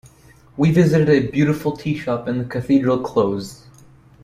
We visited a beautiful teashop in the Cathedral close.